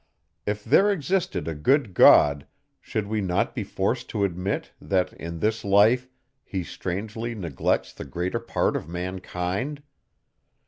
If there existed a good God, should we not be forced to admit, that in this life he strangely neglects the greater part of mankind?